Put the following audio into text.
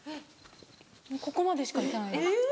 もうここまでしか行かない。